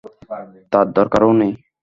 তার দরকারও নেই।